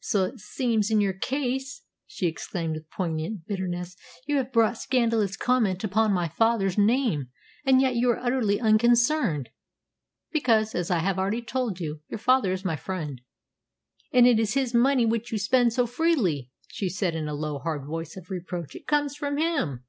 "So it seems in your case," she exclaimed with poignant bitterness. "You have brought scandalous comment upon my father's name, and yet you are utterly unconcerned." "Because, as I have already told you, your father is my friend." "And it is his money which you spend so freely," she said, in a low, hard voice of reproach. "It comes from him."